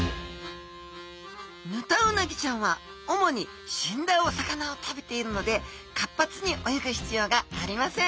ヌタウナギちゃんは主に死んだお魚を食べているので活発に泳ぐ必要がありません